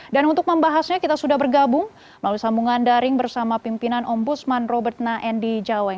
dan untuk membahasnya kita sudah bergabung melalui sambungan daring bersama pimpinan ombudsman robert naendi jawa